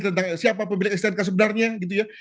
tentang siapa pemilik stnk sebenarnya gitu ya